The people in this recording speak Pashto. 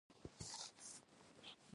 بیا روغتون ته روان شوو چې هلته ارام وکړو.